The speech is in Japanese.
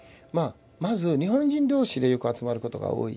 まず日本人同士でよく集まることが多い。